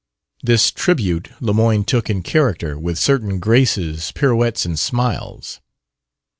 This "tribute" Lemoyne took in character, with certain graces, pirouettes and smiles.